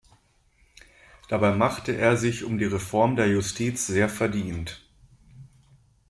Dabei machte er sich um die Reform der Justiz sehr verdient.